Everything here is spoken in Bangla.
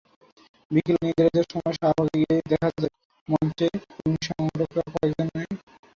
বিকেলে নির্ধারিত সময়ে শাহবাগে গিয়ে দেখা যায়, মঞ্চের কর্মী-সংগঠকেরা কয়েকজন বসে আছেন।